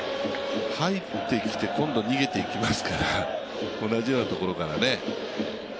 入ってきて今度は逃げていきますから、同じようなところからね。